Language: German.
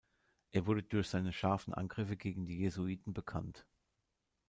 Er wurde durch seine scharfen Angriffe gegen die Jesuiten bekannt.